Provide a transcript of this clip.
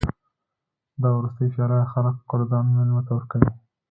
دا وروستۍ پیاله خلک قدردان مېلمه ته ورکوي.